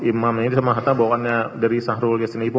imam ini sama hatta bawaannya dari saharul yasin limpo